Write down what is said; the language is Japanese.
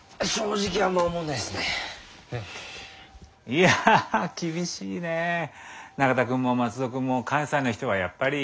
いや厳しいね中田君も松戸君も関西の人はやっぱり。